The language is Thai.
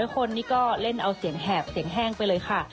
คนนี้ก็เล่นเอาเสียงแหบเสียงแห้งไปเลยค่ะ